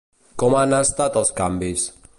Com han estat els canvis?